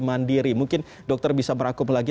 mandiri mungkin dokter bisa berakum lagi